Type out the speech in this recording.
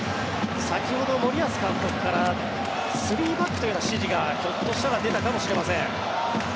先ほど森保監督から３バックというような指示がひょっとしたら出たかもしれません。